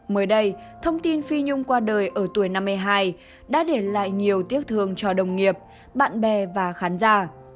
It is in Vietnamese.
mới đây thông tin phi nhung qua đời ở tuổi năm mươi hai đã để lại nhiều tiếc thương cho đồng nghiệp bạn bè và khán giả